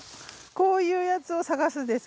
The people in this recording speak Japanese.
こういうやつを探すんです。